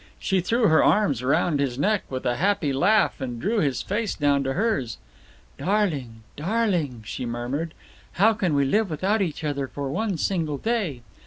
She threw her arms round his neck with a happy laugh, and drew his face down to hers. "Darling! darling!" she murmured. "How can we live without each other for one single day!"